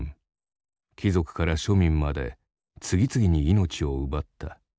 貴族から庶民まで次々に命を奪った。